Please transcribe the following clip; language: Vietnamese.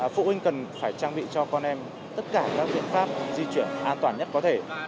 phụ huynh cần phải trang bị cho con em tất cả các biện pháp di chuyển an toàn nhất có thể